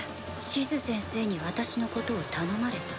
シズ先生に私のことを頼まれた？